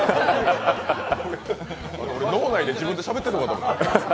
脳内で自分でしゃべってるのかと思った。